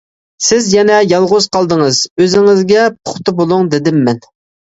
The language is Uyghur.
سىز يەنە يالغۇز قالدىڭىز، ئۆزىڭىزگە پۇختا بولۇڭ، دېدىم مەن.